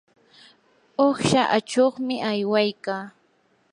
uqsha achuqmi aywaykaa.